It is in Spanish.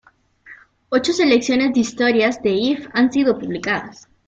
Ocho selecciones de historias de "If" han sido publicadas.